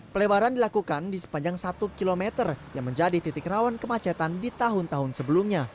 pelebaran dilakukan di sepanjang satu km yang menjadi titik rawan kemacetan di tahun tahun sebelumnya